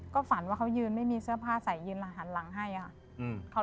ก็ฝันว่าเขายืนไม่มีเสื้อผ้าใส่ยืนแล้วหันหลังให้ค่ะ